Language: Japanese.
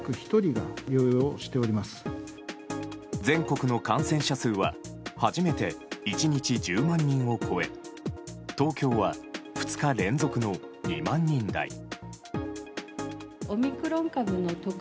全国の感染者数は初めて１日１０万人を超え東京は２日連続の２万人台。